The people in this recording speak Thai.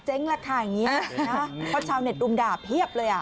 เจ๋งแหละค่ะอย่างนี้นะเพราะชาวเน็ตอุ่มดาบเทียบเลยอ่ะ